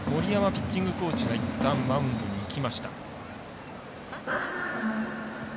ピッチングコーチがいったん、マウンドに行きました。